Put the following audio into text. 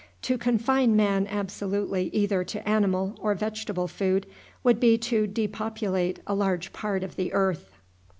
To confine man absolutely either to animal or vegetable food would be to depopulate a large part of the earth.